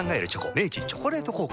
明治「チョコレート効果」